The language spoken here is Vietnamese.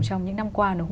trong những năm hai nghìn